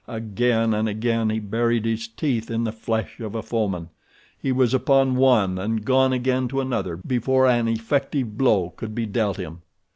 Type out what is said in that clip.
Again and again he buried his teeth in the flesh of a foeman. He was upon one and gone again to another before an effective blow could be dealt him.